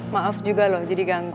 maaf juga loh jadi ganggu